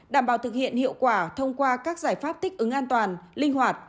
đảm bảo thực hiện hiệu quả thông qua các giải pháp thích ứng an toàn linh hoạt